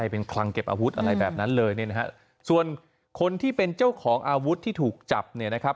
เป็นคลังเก็บอาวุธอะไรแบบนั้นเลยเนี่ยนะฮะส่วนคนที่เป็นเจ้าของอาวุธที่ถูกจับเนี่ยนะครับ